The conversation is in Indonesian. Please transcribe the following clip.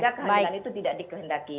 sehingga kehadiran itu tidak dikehendaki